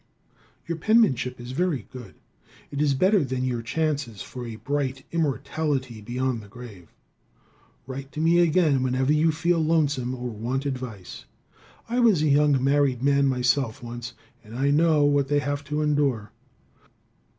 Your penmanship is very good. It is better than your chances for a bright immortality beyond the grave. Write to me again whenever you feel lonesome or want advice. I was a young married man myself once, and I know what they have to endure.